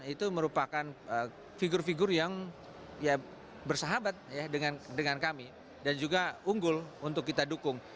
itu merupakan figur figur yang bersahabat dengan kami dan juga unggul untuk kita dukung